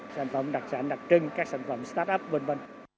sản phẩm đặc sản đặc trưng các sản phẩm start up v v